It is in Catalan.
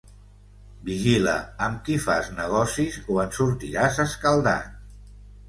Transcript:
Vigila amb qui fas negocis o en sortiràs escaldat.